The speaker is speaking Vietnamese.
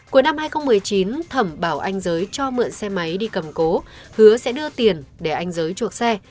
cuối năm hai nghìn một mươi chín thẩm bảo anh giới cho mượn xe máy đi cầm cố hứa sẽ đưa tiền để anh giới chuộc xe